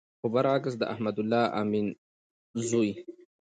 خو بر عکس د احمد الله امین زوی